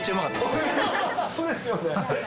そうですよね。